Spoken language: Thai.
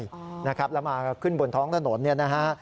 แล้วมาขึ้นบนท้องถนนเนี่ยนะฮะ